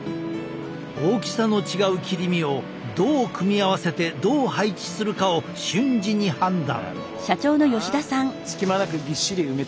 大きさの違う切り身をどう組み合わせてどう配置するかを瞬時に判断。